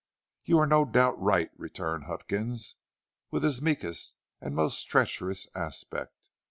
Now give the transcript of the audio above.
"You are no doubt right," returned Huckins with his meekest and most treacherous aspect.